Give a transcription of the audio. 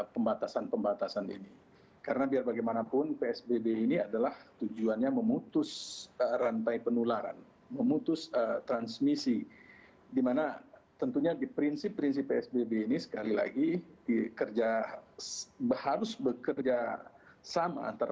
pembatasan sosial berskala besar